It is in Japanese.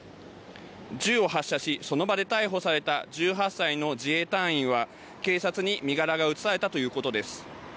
銃を発射しその場で逮捕された１８歳の自衛隊員は警察に身柄が移されたということです。